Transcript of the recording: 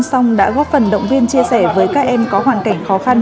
xong đã góp phần động viên chia sẻ với các em có hoàn cảnh khó khăn